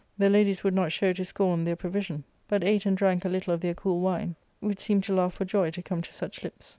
The ladies would not show to scorn their provision, but ate and drank a little of their cool wine, which seemed to laugh for joy to come to such lips.